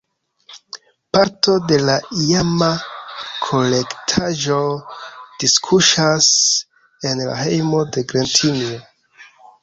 Parto de la iama kolektaĵo diskuŝas en la hejmo de Gretinjo.